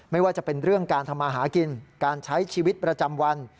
ไม่ว่าจะเป็นเรื่องการทำมาหากินการใช้ชีวิตประจำวัน